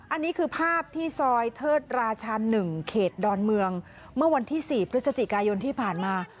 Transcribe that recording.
อันนี้คือภาพที่ซอยเทิดราชา๑เขตดอนเมืองเมื่อวันที่๔พฤศจิกายนที่ผ่านมา